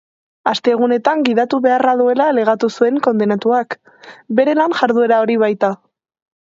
Astegunetan gidatu beharra duela alegatu zuen kondenatuak, bere lan-jarduera hori baita.